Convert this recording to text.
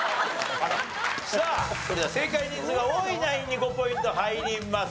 さあそれでは正解人数が多いナインに５ポイント入ります。